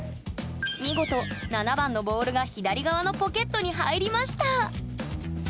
見事７番のボールが左側のポケットに入りました！